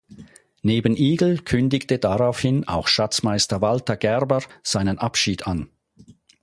Neben Igel kündigte daraufhin auch Schatzmeister Walter Gerber seinen Abschied an.